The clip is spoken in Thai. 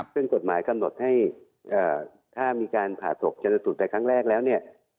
ซึ่งกฎหมายกำหนดให้ถ้ามีการผ่าศพจนสูตรแต่ครั้งแรกแล้วเนี่ย